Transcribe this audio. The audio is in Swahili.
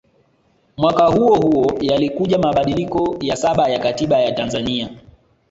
Mwaka huohuo yalikuja mabadiliko ya saba ya Katiba ya Tanzania